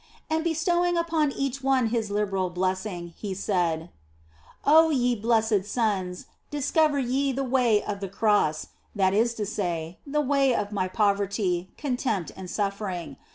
And bestowing upon each one His liberal blessing, He said " Oh ye blessed sons, discover ye the way of the Cross that is to say, the way of My poverty, contempt and suffering.